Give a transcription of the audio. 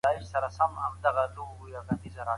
د دغي پېښي وروستی خبر د یو ارمان پوره کېدل وو.